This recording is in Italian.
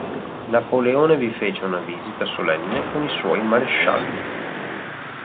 Napoleone vi fece una visita solenne con i suoi marescialli.